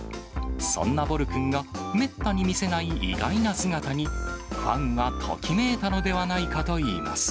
そんなボルくんがめったに見せない意外な姿に、ファンはときめいたのではないかといいます。